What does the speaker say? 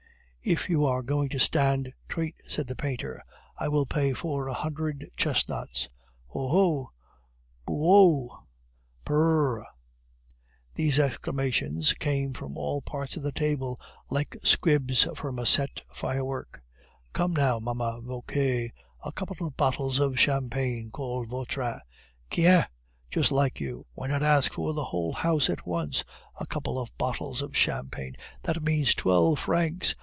"If you are going to stand treat," said the painter, "I will pay for a hundred chestnuts." "Oh! oh!" "Booououh!" "Prrr!" These exclamations came from all parts of the table like squibs from a set firework. "Come, now, Mama Vauquer, a couple of bottles of champagne," called Vautrin. "Quien! just like you! Why not ask for the whole house at once. A couple of bottles of champagne; that means twelve francs!